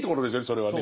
それはね。